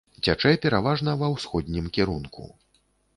Цячэ пераважна ва ўсходнім кірунку.